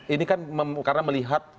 ini kan karena melihat